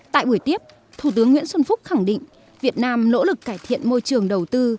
tại buổi tiếp thủ tướng nguyễn xuân phúc khẳng định việt nam nỗ lực cải thiện môi trường đầu tư